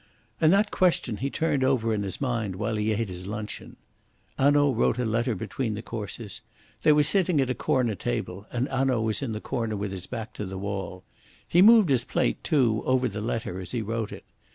And that question he turned over in his mind while he ate his luncheon. Hanaud wrote a letter between the courses. They were sitting at a corner table, and Hanaud was in the corner with his back to the wall. He moved his plate, too, over the letter as he wrote it.